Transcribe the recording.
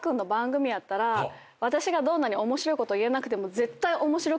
私がどんなに面白いこと言えなくても。